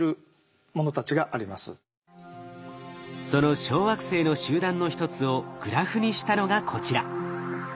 その小惑星の集団の一つをグラフにしたのがこちら。